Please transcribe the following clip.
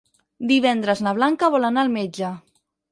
Divendres na Blanca vol anar al metge.